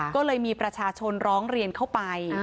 ก็เลยมีประชาชนร้องเรียนเข้าไป